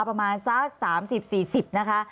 ประมาณสัก๓๐๔๐นะคะ